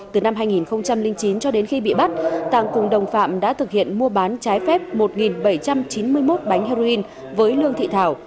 từ năm hai nghìn chín cho đến khi bị bắt tàng cùng đồng phạm đã thực hiện mua bán trái phép một bảy trăm chín mươi một bánh heroin với lương thị thảo